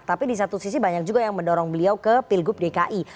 tapi di satu sisi banyak juga yang mendorong beliau ke pilgub dki